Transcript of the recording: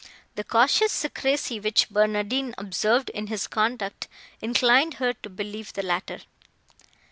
The cautious secrecy which Barnardine observed in his conduct, inclined her to believe the latter.